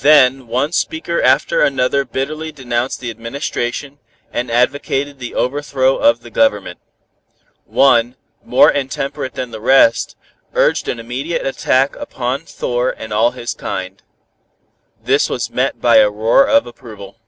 Then one speaker after another bitterly denounced the administration, and advocated the overthrow of the Government. One, more intemperate than the rest, urged an immediate attack on Thor and all his kind. This was met by a roar of approval.